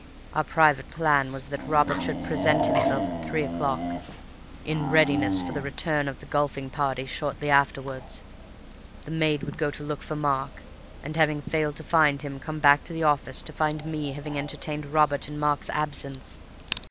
Our private plan was that Robert should present himself at three o'clock, in readiness for the return of the golfing party shortly afterwards. The maid would go to look for Mark, and having failed to find him, come back to the office to find me entertaining Robert in Mark's absence.